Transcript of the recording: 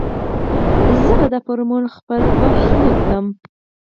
زه به دا فورمول خپل برخليک کړم.